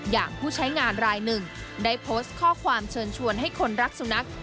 อย่างผู้ใช้งานรายหนึ่งได้โพสต์ข้อความเชิญชวนให้คนรักสุนัข